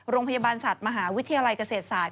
โรงพยาบาลสัตว์มหาวิทยาลัยเกษตรศาสต